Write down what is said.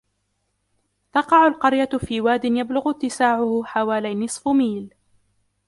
تقع القرية في وادٍ يبلغ اتساعه حوالي نصف ميل.